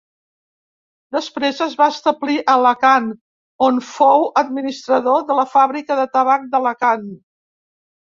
Després es va establir a Alacant, on fou administrador de la Fàbrica de Tabac d'Alacant.